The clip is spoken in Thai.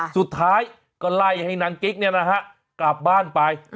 สุดท้ายก็ไล่ให้นางกิ๊กกลับบ้านไป